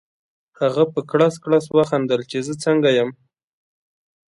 هغه په کړس کړس وخندل چې زه څنګه یم؟